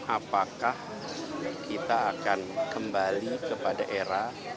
apakah kita akan kembali kepada era